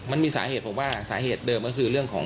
มันมีสาเหตุผมว่าสาเหตุเดิมก็คือเรื่องของ